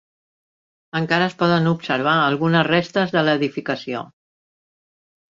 Encara es poden observar algunes restes de l'edificació.